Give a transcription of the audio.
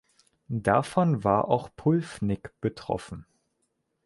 Davon war auch Pulfnick betroffen.